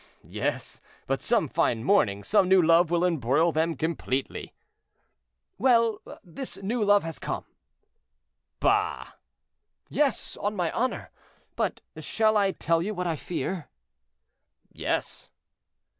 "Yes, but some fine morning some new love will embroil them completely." "Well! this new love has come." "Bah!" "Yes, on my honor; but shall I tell you what I fear?" "Yes."